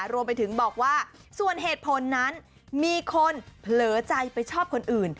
รวมไปถึงบอกว่าส่วนเหตุผลนั้นมีคนเผลอใจไปชอบคนอื่น